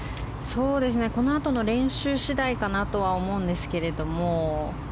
このあとの練習次第かなとは思うんですけれども。